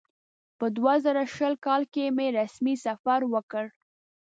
په دوه زره شل کال کې مې رسمي سفر وکړ.